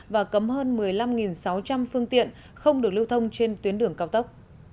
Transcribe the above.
và cấm hơn một mươi năm sáu trăm linh phương tiện không được lưu thông trên tuyến đường cao tốc